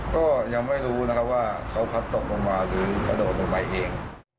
ก็ยังไม่รู้ว่าเขาพัดตกลงมาหรือเขาโดดลงไปเอง